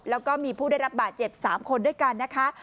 แล้วก็มีผู้ได้รับบาดเจ็บ๓คนด้วยกันนะคะ